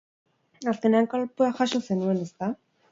Azkenean kolpea jaso zenuen, ezta?